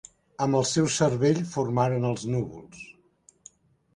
Amb el seu cervell formaren els núvols.